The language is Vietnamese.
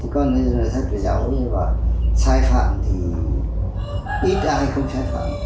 còn thế là thật dấu sai phạm thì ít ai không sai phạm